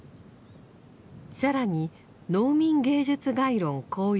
更に「農民芸術概論綱要」